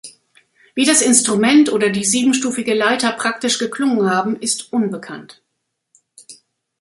Wie das Instrument oder die siebenstufige Leiter praktisch geklungen haben, ist unbekannt.